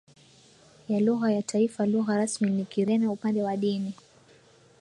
ya lugha ya taifa lugha rasmi ni Kireno Upande wa dini